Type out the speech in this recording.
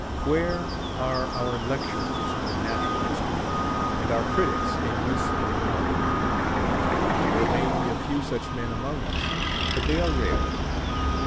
AVliere are our lecturers on natural history and our critics in useful knowledge ? There may be a few such men among us. but they are rare.